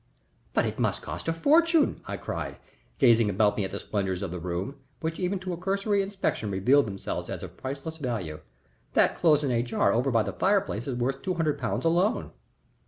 "But it must cost a fortune!" I cried, gazing about me at the splendors of the room, which even to a cursory inspection revealed themselves as of priceless value. "That cloisonné jar over by the fireplace is worth two hundred pounds alone."